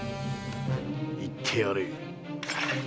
いってやれ。